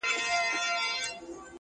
ما د ښاغلي حکیمي کوم اثر نه دی لوستی